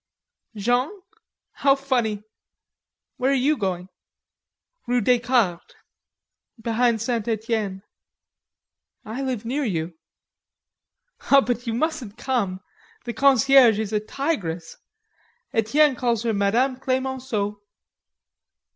"Jean? How funny!" "Where are you going?" "Rue Descartes.... Behind St. Etienne." "I live near you." "But you mustn't come. The concierge is a tigress.... Etienne calls her Mme. Clemenceau."